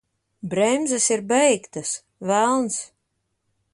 Bremzes ir beigtas! Velns!